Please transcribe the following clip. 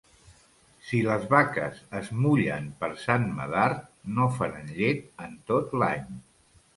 Si les vaques es mullen per Sant Medard no faran llet en tot l'any.